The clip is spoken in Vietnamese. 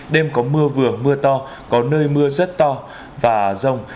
đêm có mưa vừa mưa to có nơi mưa rất to và rông